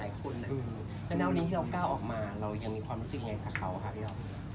แล้วณวันนี้ที่เราก้าวออกมาเรายังมีความรู้สึกยังไงกับเขาค่ะพี่อ๊อฟ